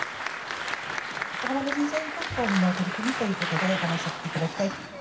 横浜の事前復興の取り組みということで、お話しさせていただ